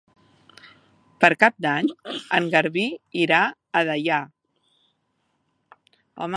Per Cap d'Any en Garbí irà a Deià.